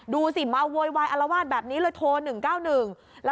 ดูสิมาโวยวายอารวาสแบบนี้เลยโทร๑๙๑